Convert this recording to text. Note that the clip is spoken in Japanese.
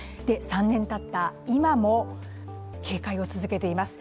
３年たった今も、警戒を続けています。